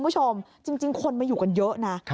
จริงคนมาอยู่กันเยอะนะ